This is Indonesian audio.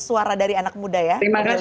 suara dari anak muda ya